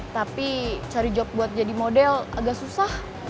tapi cari job buat jadi model agak susah